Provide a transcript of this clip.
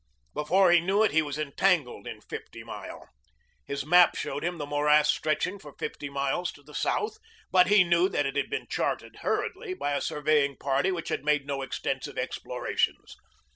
Before he knew it he was entangled in Fifty Mile. His map showed him the morass stretched for fifty miles to the south, but he knew that it had been charted hurriedly by a surveying party which had made no extensive explorations.